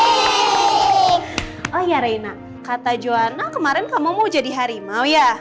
oh ya reina kata juana kemarin kamu mau jadi harimau ya